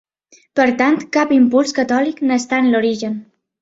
Per tant cap impuls catòlic n’està en l’origen.